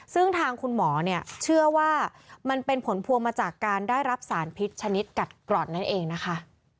ซึ่งทางคุณหมอเนี่ยเชื่อว่ามันเป็นผลพวงมาจากการได้รับสารพิษชนิดกัดกร่อนนั่นเองนะคะ